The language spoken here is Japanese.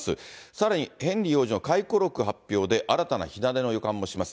さらに、ヘンリー王子の回顧録発表で、新たな火種の予感もします。